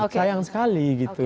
sayang sekali gitu